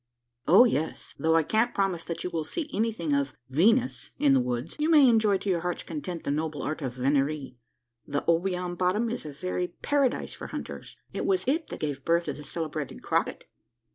"O yes though I can't promise that you will see anything of Venus in the woods, you may enjoy to your heart's content the noble art of venerie. The Obion bottom is a very paradise for hunters. It was it that gave birth to the celebrated Crockett."